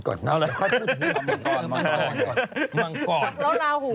ตอนลาหูราวหู